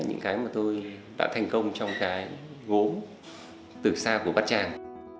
những cái mà tôi tạo thành công trong cái gốm từ xa của bát tràng